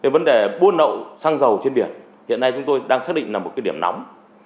vấn đề buôn lậu xăng dầu trên biển hiện nay chúng tôi đang xác định là một điểm nóng